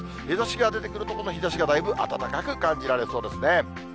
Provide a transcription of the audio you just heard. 日ざしが出てくると、日ざしがだいぶ暖かく感じられそうですね。